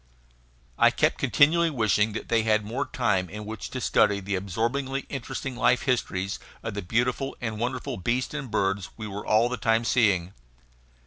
I kept continually wishing that they had more time in which to study the absorbingly interesting life histories of the beautiful and wonderful beasts and birds we were all the time seeing.